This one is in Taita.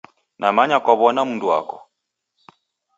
Namanya kwaw'ona mndu wako